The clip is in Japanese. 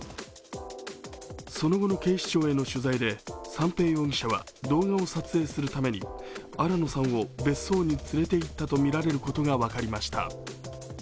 その後の警視庁への取材で、三瓶容疑者は動画を撮影するために新野さんを別荘に連れていったとみられることが分かりました。